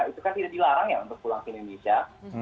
itu kan tidak dilarang ya untuk pulang ke indonesia